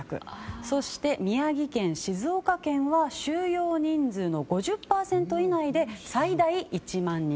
そして、宮城県、静岡県は収容人数の５０％以内で最大１万人。